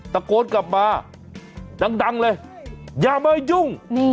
ตะโกนกลับมาดังเลยอย่ามายุ่ง